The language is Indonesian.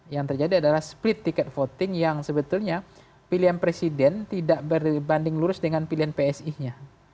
yang terjadi adalah split ticket voting yang sebetulnya pilihan presiden tidak berbanding lurus dengan pilihan psi nya